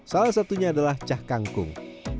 salah satunya adalah cah kangkung